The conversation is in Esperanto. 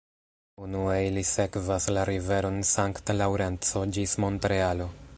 Unue ili sekvas la riveron Sankt-Laŭrenco ĝis Montrealo.